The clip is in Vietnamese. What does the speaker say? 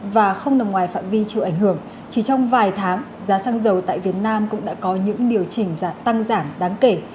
và không nằm ngoài phạm vi chịu ảnh hưởng chỉ trong vài tháng giá xăng dầu tại việt nam cũng đã có những điều chỉnh tăng giảm đáng kể